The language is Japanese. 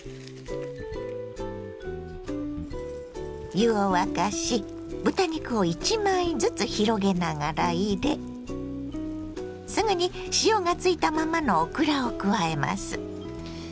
湯を沸かし豚肉を１枚ずつ広げながら入れすぐに塩がついたままのオクラを加えます。